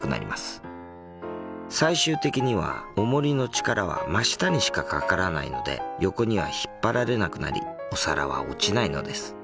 最終的にはオモリの力は真下にしかかからないので横には引っ張られなくなりお皿は落ちないのです。